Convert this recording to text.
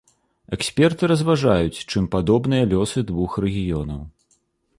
Эксперты разважаюць, чым падобныя лёсы двух рэгіёнаў.